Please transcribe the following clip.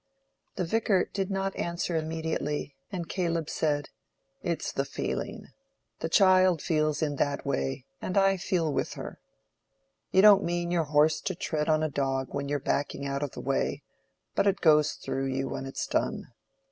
The Vicar did not answer immediately, and Caleb said, "It's the feeling. The child feels in that way, and I feel with her. You don't mean your horse to tread on a dog when you're backing out of the way; but it goes through you, when it's done."